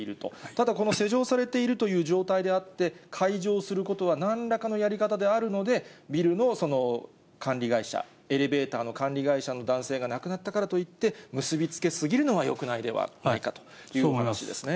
ただ、この施錠されているという状態であって、開錠することはなんらかのやり方であるので、ビルの管理会社、エレベーターの管理会社の男性が亡くなったからといって、結びつけすぎるのはよくないのではないかという話ですね。